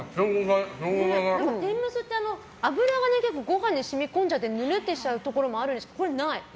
天むすって油がご飯に染み込んじゃってぬるっとしちゃうところもあるんですけど、これはない。